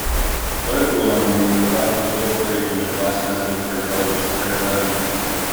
Notable among these are founder George Friedman and vice president for intelligence Fred Burton.